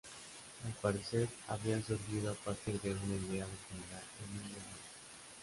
Al parecer habrían surgido a partir de una idea del general Emilio Mola.